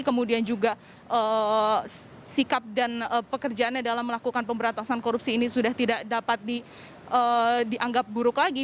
kemudian juga sikap dan pekerjaannya dalam melakukan pemberantasan korupsi ini sudah tidak dapat dianggap buruk lagi